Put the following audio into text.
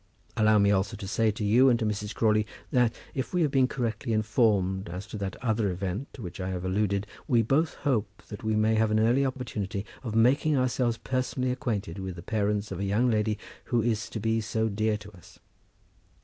Allow me also to say to you and to Mrs. Crawley that, if we have been correctly informed as to that other event to which I have alluded, we both hope that we may have an early opportunity of making ourselves personally acquainted with the parents of a young lady who is to be so dear to us.